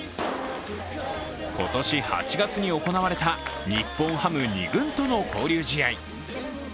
今年８月に行われた日本ハム２軍との交流試合。